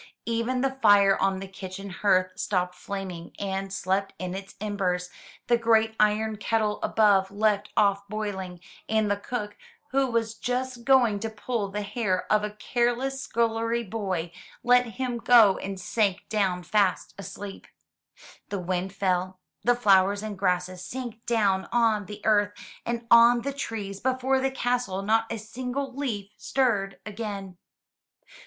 Even the fire on the kitchen hearth stopped flaming and slept in its embers; the great iron kettle above left off boiling, and the cook, who was just going to pull the hair of a careless scullery boy, let him go and sank down fast asleep. The wind fell, the flowers and grasses sank down on the earth and on the trees before the castle not a single leaf stirred again.